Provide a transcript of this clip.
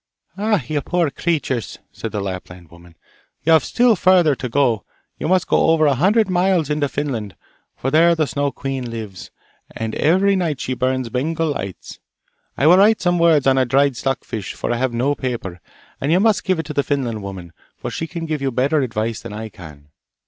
'Ah, you poor creatures!' said the Lapland woman; 'you have still further to go! You must go over a hundred miles into Finland, for there the Snow queen lives, and every night she burns Bengal lights. I will write some words on a dried stock fish, for I have no paper, and you must give it to the Finland woman, for she can give you better advice than I can.